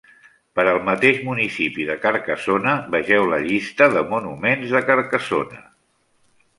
Per al mateix municipi de Carcassona vegeu la llista de monuments de Carcassona.